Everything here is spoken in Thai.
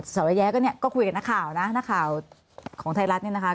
สวัสดิ์แยะก็เนี่ยก็คุยกับหน้าข่าวนะหน้าข่าวของไทยรัฐเนี่ยนะคะ